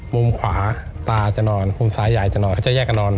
มุมขวาตาจะนอนมุมซ้ายยายจะนอนเขาจะแยกกันนอน